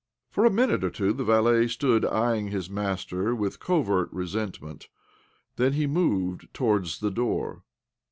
For a minute or two the vakt stood eyeing his master with covert resentment. Then he moved towar'ds the door.